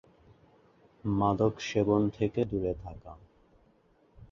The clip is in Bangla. মাদক সেবন থেকে দুরে থাকা।